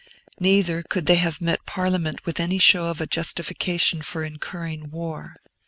Neither could they have met Parliament with any show of a justification for incurring war.